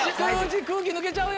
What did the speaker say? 空気抜けちゃうよ。